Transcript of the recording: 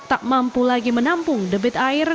tak mampu lagi menampung debit air